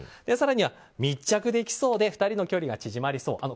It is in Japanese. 更には密着できそうで２人の距離が縮まりそう。